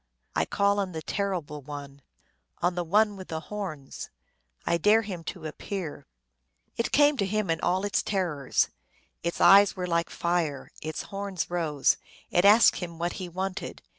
1 call on the Terrible One ! On the One with the Horns ! I dare him to appear ! It came to him in all its terrors. Its eyes were like fire ; its horns rose. It asked him what he wanted.